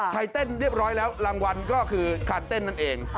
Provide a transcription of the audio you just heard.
เต้นเรียบร้อยแล้วรางวัลก็คือการเต้นนั่นเอง